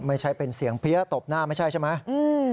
ไม่ใช่เป็นเสียงเพี้ยตบหน้าไม่ใช่ใช่ไหม